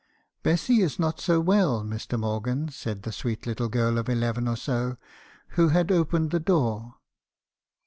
" l Bessy is not so well, Mr. Morgan,' said the sweet little girl of eleven or so , who had opened the door.